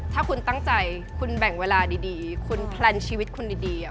ถ้าคุณตั้งใจคุณแบ่งเวลาดีคุณแพลนชีวิตคุณดี